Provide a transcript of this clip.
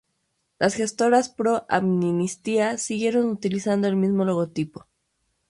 Las Gestoras Pro Amnistía siguieron utilizando el mismo logotipo.